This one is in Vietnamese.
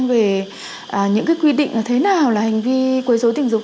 về những cái quy định là thế nào là hành vi quấy dối tình dục